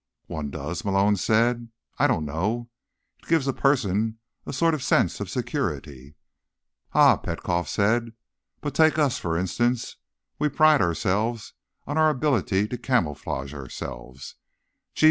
"One does?" Malone said. "I don't know. It gives a person a sort of sense of security." "Ah," Petkoff said. "But take us, for instance. We pride ourselves on our ability to camouflage ourselves.